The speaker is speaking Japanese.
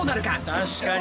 確かに。